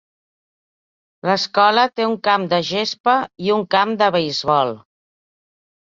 L'escola té un camp de gespa i un camp de beisbol.